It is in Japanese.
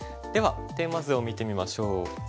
ではテーマ図を見てみましょう。